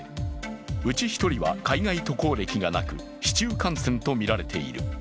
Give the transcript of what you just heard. うち１人は海外渡航歴がなく市中感染とみられている。